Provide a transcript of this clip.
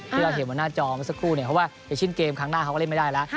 เพื่อเห็นวันหน้าจอมาสักครู่เพราะว่าเดี๋ยวชิ้นเกมครั้งหน้าเขาก็เล่นไม่ได้แล้ว